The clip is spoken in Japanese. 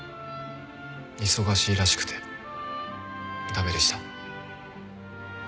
忙しいらしくて駄目でした。